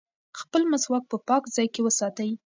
خپل مسواک په پاک ځای کې وساتئ.